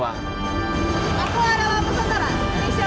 aku arawan pusantara indonesia one